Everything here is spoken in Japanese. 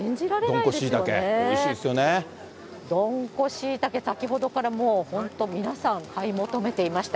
どんこしいたけ、どんこしいたけ、先ほどからもう本当、皆さん、買い求めていました。